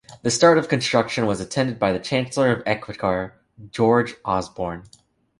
The start of construction was attended by the Chancellor of the Exchequer, George Osborne.